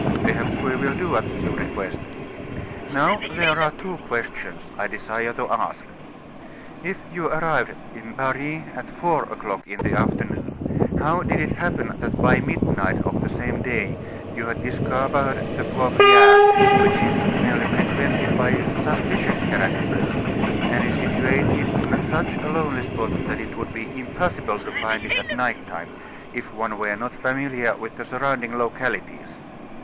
"Perhaps we will do as you request. Now, there are two questions I desire to ask. If you arrived in Paris at four o'clock in the afternoon, how did it happen that by midnight of the same day you had discovered the Poivriere, which is merely frequented by suspicious characters, and is situated in such a lonely spot that it would be impossible to find it at night time, if one were not familiar with the surrounding localities?